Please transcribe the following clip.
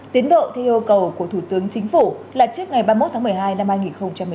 tiến độ theo yêu cầu của thủ tướng chính phủ là trước ngày ba mươi một tháng một mươi hai năm hai nghìn một mươi chín